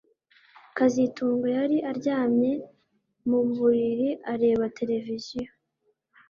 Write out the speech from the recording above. kazitunga yari aryamye mu buriri areba televiziyo